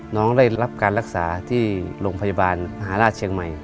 ได้รับการรักษาที่โรงพยาบาลมหาราชเชียงใหม่